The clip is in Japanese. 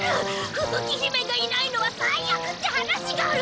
ふぶき姫がいないのは最悪って話ガル！